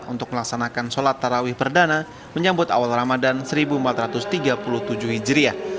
untuk melaksanakan sholat tarawih perdana menyambut awal ramadan seribu empat ratus tiga puluh tujuh hijriah